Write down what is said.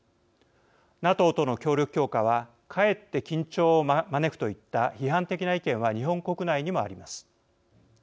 ＮＡＴＯとの協力強化はかえって緊張を招くといった批判的な意見は日本国内にもあります。